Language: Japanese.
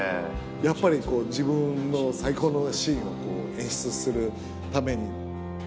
やっぱり自分の最高のシーンを演出するために。